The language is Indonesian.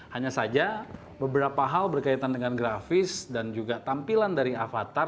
hanya saja beberapa hal berkaitan dengan grafis dan juga tampilan dari avatar